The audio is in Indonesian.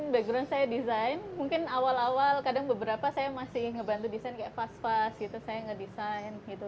background saya desain mungkin awal awal kadang beberapa saya masih ngebantu desain kayak fast vas gitu saya ngedesain gitu